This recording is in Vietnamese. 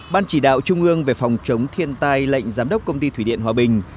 ban chỉ đạo trung ương về phòng chống thiên tai lệnh giám đốc công ty thủy điện hòa bình